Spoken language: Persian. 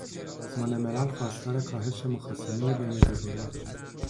سازمان ملل خواستار کاهش مخاصمه بین دو دولت شد